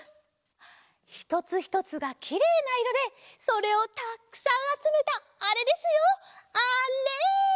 ひとつひとつがきれいないろでそれをたっくさんあつめたあれですよあれ！